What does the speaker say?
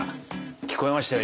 聞こえましたよ